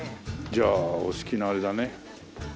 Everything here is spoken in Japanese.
じゃあお好きなあれだね。